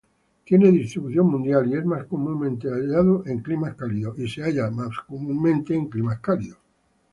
Tiene distribución mundial, y es más comúnmente hallado en climas cálidos.